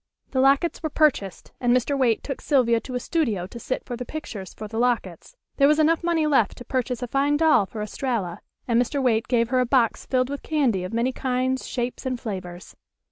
The lockets were purchased, and Mr. Waite took Sylvia to a studio to sit for the pictures for the lockets. There was enough money left to purchase a fine doll for Estralla, and Mr. Waite gave her a box filled with candy of many kinds, shapes and flavors.